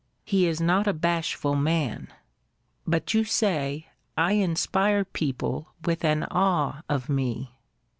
He is not a bashful man. But you say, I inspire people with an awe of me.